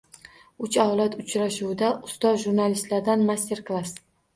“Uch avlod uchrashuvi”da ustoz jurnalistlardan “master klass”